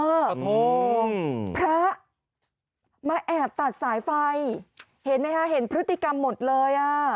กระทงพระมาแอบตัดสายไฟเห็นไหมคะเห็นพฤติกรรมหมดเลยอ่ะ